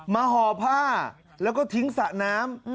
ห่อผ้าแล้วก็ทิ้งสระน้ำ